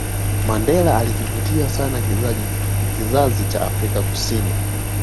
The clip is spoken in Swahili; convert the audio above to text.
mandela alikivutia sana kizazi cha afrika kusini